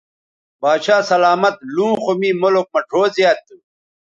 باچھا سلامت لوں خو می ملک مہ ڙھؤ زیات تھو